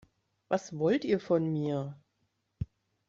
Was wollt ihr von mir?